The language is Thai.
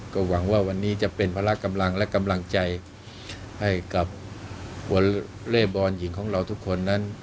ก็หวังว่าวันนี้จะเป็นพละกำลังและกำลังใจให้กับวอลเล่บอลหญิงของเราทุกคนนั้น